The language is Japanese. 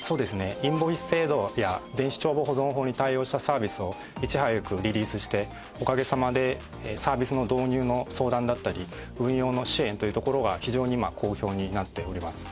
インボイス制度や電子帳簿保存法に対応したサービスをいち早くリリースしておかげさまでサービスの導入の相談だったり運用の支援というところが非常に今好評になっております。